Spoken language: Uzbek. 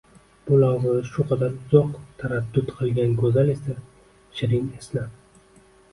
bu lahzaga shu qadar uzoq taraddud qilgan go‘zal esa shirin esnab: